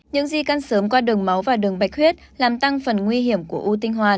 những di căn sớm qua đường máu và đường bạch huyết làm tăng phần nguy hiểm của u tinh hoàn